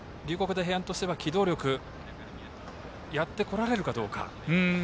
大平安としては機動力、やってこられるかどうか。